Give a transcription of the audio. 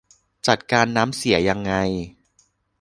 จัดการน้ำเสียยังไง